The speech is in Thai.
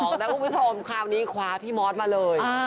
บอกนะคุณผู้ชมคราวนี้คว้าพี่มอสมาเลย